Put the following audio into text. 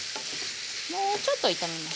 もうちょっと炒めましょうか。